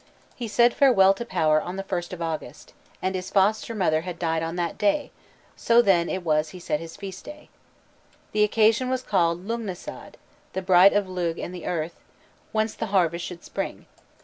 He said farewell to power on the first of August, and his foster mother had died on that day, so then it was he set his feast day. The occasion was called "Lugnasad," "the bridal of Lugh" and the earth, whence the harvest should spring.